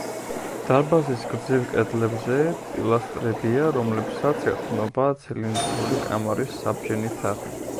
დარბაზის გრძივ კედლებზე პილასტრებია, რომლებსაც ეყრდნობა ცილინდრული კამარის საბჯენი თაღი.